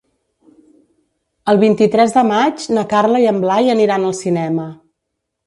El vint-i-tres de maig na Carla i en Blai aniran al cinema.